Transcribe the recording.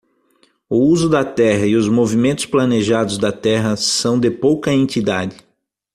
O uso da terra e os movimentos planejados da terra são de pouca entidade.